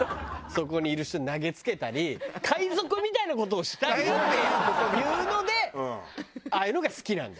そこにいる人に投げつけたり海賊みたいな事をしたいっていうのでああいうのが好きなの。